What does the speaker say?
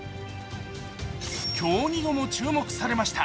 競技後も注目されました。